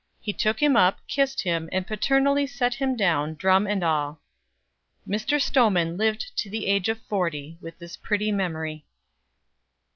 He took him up, kissed him, and paternally set him down, drum and all. Mr. Stowman lived to the age of forty with this pretty memory.